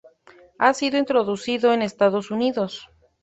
Ha sido introducido en Estados Unidos.